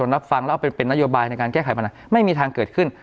แล้วเอาเป็นนโยบายในการแก้ไขพนักไม่มีทางเกิดขึ้น